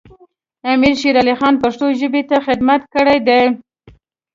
امیر شیر علی خان پښتو ژبې ته خدمتونه کړي دي.